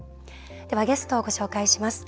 ゲストをご紹介します。